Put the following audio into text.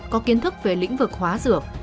có kiến thức về lĩnh vực hóa dược